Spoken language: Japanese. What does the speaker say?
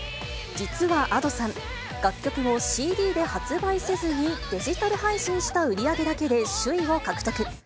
実はＡｄｏさん、楽曲をＣＤで発売せずに、デジタル配信した売り上げだけで首位を獲得。